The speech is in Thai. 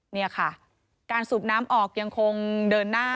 นี่ค่ะการสูบน้ำออกยังคงเดินหน้า